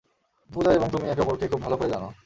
পূজা এবং তুমি একে অপরকে, খুব ভাল করে জানো।